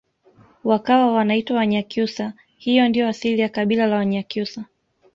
wakawa wanaitwa wanyakyusa hiyo ndiyo asili ya kabila la wanyakyusa